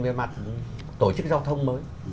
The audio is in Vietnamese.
về mặt tổ chức giao thông mới